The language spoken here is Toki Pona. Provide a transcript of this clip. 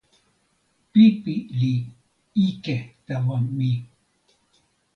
pipi li ike tawa mi.